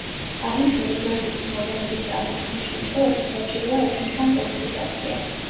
აღნიშნული გვერდითი მოვლენების წარმოქმნის შემთხვევაში საჭიროა ექიმთან კონსულტაცია.